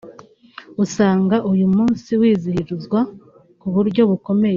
usanga uyu munsi wizihizwa ku buryo bukomeye